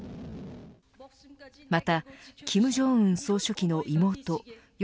また金正恩総書記の妹与